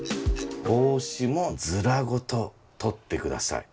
帽子もヅラごととってください。